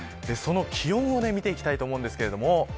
気温を見ていきたいと思います。